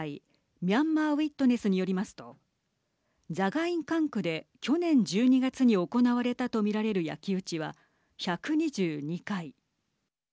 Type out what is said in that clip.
ミャンマー・ウィットネスによりますとザガイン管区で去年１２月に行われたと見られる焼き打ちは１２２回。